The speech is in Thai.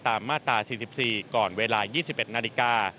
มาตรา๔๔ก่อนเวลา๒๑นาฬิกา